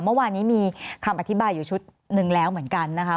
เมื่อวานนี้มีคำอธิบายอยู่ชุดหนึ่งแล้วเหมือนกันนะคะ